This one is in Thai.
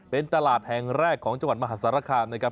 เป็นตลาดแห่งแรกของจังหวัดมหาสารคามนะครับ